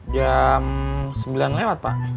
jam sembilan lewat pak